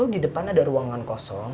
di depan ada ruangan kosong